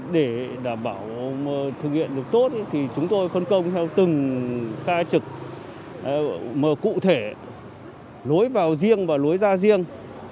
để đảm bảo thực hiện được tốt thì chúng tôi phân công theo từng ca trực cụ thể lối vào riêng và lối ra riêng